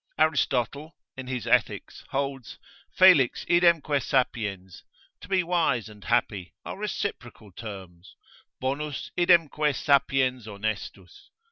Aristotle in his Ethics holds felix idemque sapiens, to be wise and happy, are reciprocal terms, bonus idemque sapiens honestus.